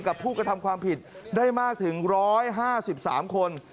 ผู้กระทำความผิดได้มากถึง๑๕๓คน